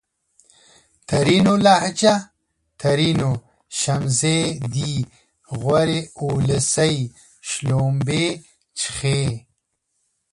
ترينو لهجه ! ترينو : شمزې دي غورې اولسۍ :شلومبې چښې